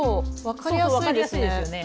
分かりやすいですよね。